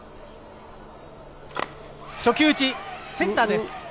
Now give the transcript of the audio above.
初球打ち、センターです。